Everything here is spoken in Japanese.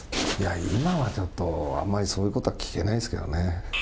いや、今はちょっと、あんまりそういうことは聞けないですけどね。